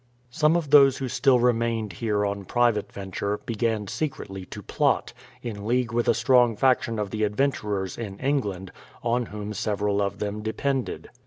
Some of those who still remained here on private venture, began secretly to plot, in league with a strong faction of the adventurers in England, on whom several of them depended.